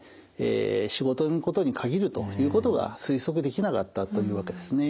仕事のことに限るということが推測できなかったというわけですね。